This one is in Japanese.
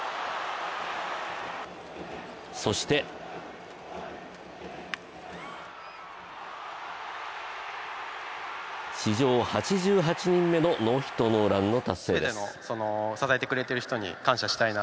そして、史上８８人目のノーヒットノーランの達成です。